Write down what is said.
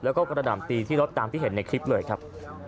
แล้วก็กระดับตีที่เลาะตามที่เห็นในคลิปเลยครับ